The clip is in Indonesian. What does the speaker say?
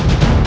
amin ya allah